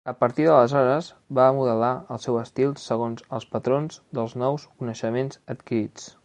A partir d'aleshores va modelar el seu estil segons els patrons dels nous coneixements adquirits.